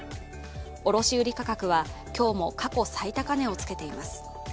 卸売価格は今日も過去最高値をつけています。